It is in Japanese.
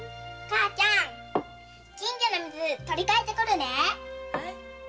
母ちゃん金魚の水取り替えてくるね。